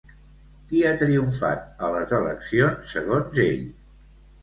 Qui ha triomfat a les eleccions, segons ell?